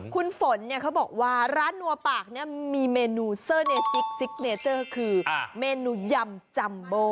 คุณฝนเนี่ยเขาบอกว่าร้านนัวปากเนี่ยมีเมนูเซอร์เนจิกซิกเนเจอร์คือเมนูยำจัมโบ